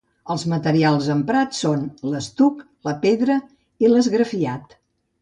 Els materials emprats són l'estuc, la pedra i l'esgrafiat.